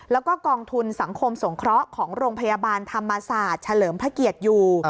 แล้วก็กองทุนสังคมสงเคราะห์ของโรงพยาบาลธรรมศาสตร์เฉลิมพระเกียรติอยู่